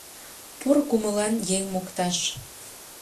Поро кумылан еҥ мокташ